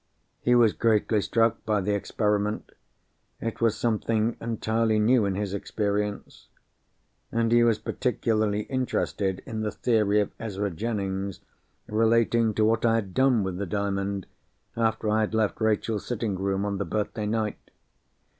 He was greatly struck by the experiment—it was something entirely new in his experience. And he was particularly interested in the theory of Ezra Jennings, relating to what I had done with the Diamond, after I had left Rachel's sitting room, on the birthday night.